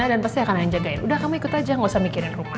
pasti akan ada yang jagain udah kamu ikut aja gak usah mikirin rumah